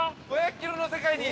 ◆５００キロの世界に。